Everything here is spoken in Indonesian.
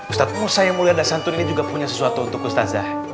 ustaz musa yang mulia dasantun ini juga punya sesuatu untuk ustazah